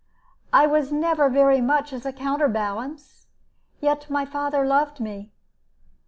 I was never very much as a counter balance. Yet my father loved me."